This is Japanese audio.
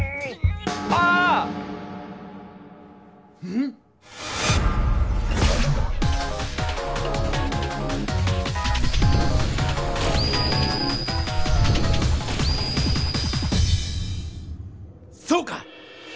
ん⁉そうか！